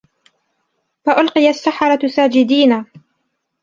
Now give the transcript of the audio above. فَأُلقِيَ السَّحَرَةُ ساجِدينَ